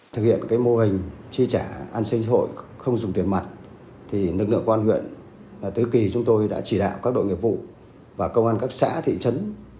thực hiện mô hình tri trả an sinh xã hội không dùng tiền mặt nước lượng quan nguyện tứ kỳ chúng tôi đã chỉ đạo các đội nghiệp vụ và công an các xã thị trấn